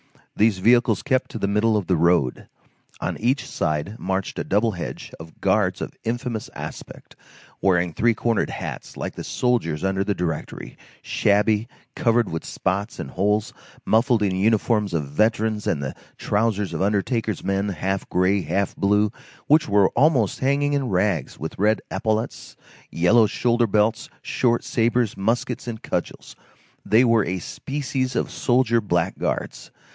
These vehicles kept to the middle of the road. On each side marched a double hedge of guards of infamous aspect, wearing three cornered hats, like the soldiers under the Directory, shabby, covered with spots and holes, muffled in uniforms of veterans and the trousers of undertakers' men, half gray, half blue, which were almost hanging in rags, with red epaulets, yellow shoulder belts, short sabres, muskets, and cudgels; they were a species of soldier blackguards.